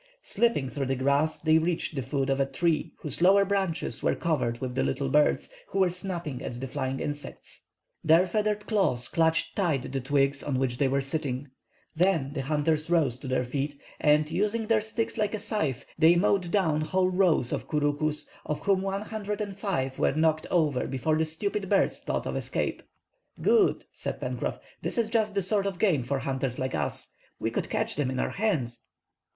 Slipping through the grass, they reached the foot of a tree whose lower branches were covered with the little birds, who were snapping at the flying insects. Their feathered claws clutched tight the twigs on which they were sitting. Then the hunters rose to their feet, and using their sticks like a scythe, they mowed down whole rows of the couroucous, of whom 105 were knocked over before the stupid birds thought of escape. "Good," said Pencroff, "this is just the sort of game for hunters like us. We could catch them in our hands."